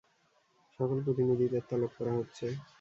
সকল প্রতিনিধিদের তলব করা হচ্ছে।